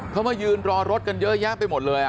เขามายืนรอรถกันเยอะแยะไปหมดเลย